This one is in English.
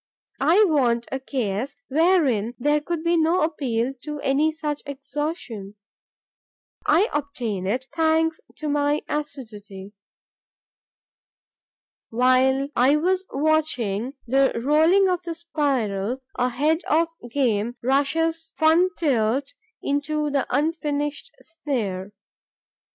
I want a case wherein there could be no appeal to any such exhaustion. I obtain it, thanks to my assiduity. While I am watching the rolling of the spiral, a head of game rushes fun tilt into the unfinished snare.